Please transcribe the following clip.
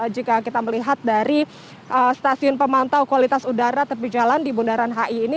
jika kita melihat dari stasiun pemantau kualitas udara tepi jalan di bundaran hi ini